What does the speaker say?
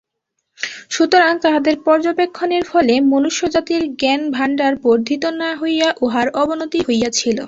সুতরাং তাহাদের পর্যবেক্ষণের ফলে মনুষ্যজাতির জ্ঞানভাণ্ডার বর্ধিত না হইয়া উহার অবনতিই হইয়াছিল।